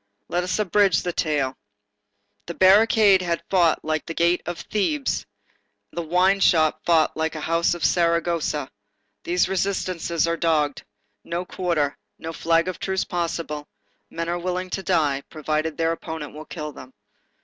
Let us abridge the tale. The barricade had fought like a gate of Thebes; the wine shop fought like a house of Saragossa. These resistances are dogged. No quarter. No flag of truce possible. Men are willing to die, provided their opponent will kill them.